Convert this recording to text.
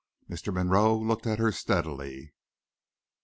Mr. Monroe looked at her steadily.